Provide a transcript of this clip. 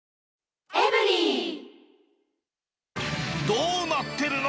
どうなってるの？